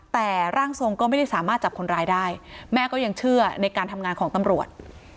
แต่ร่างทรงก็ไม่ได้สามารถจับคนร้ายได้แม่ก็ยังเชื่อในการทำงานของตำรวจ